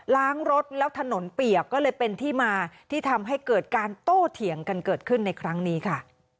ล้างรถแล้วถนนเปียกก็เลยเป็นที่มาที่ทำให้เกิดการโต้เถียงกันเกิดขึ้นในครั้งนี้ค่ะ